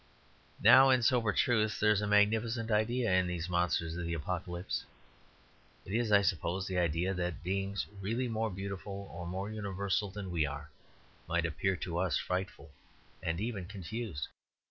Now in sober truth there is a magnificent idea in these monsters of the Apocalypse. It is, I suppose, the idea that beings really more beautiful or more universal than we are might appear to us frightful and even confused.